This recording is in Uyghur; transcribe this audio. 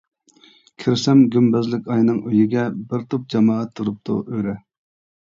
كىرسەم گۈمبەزلىك ئاينىڭ ئۆيىگە بىر توپ جامائەت تۇرۇپتۇ ئۆرە.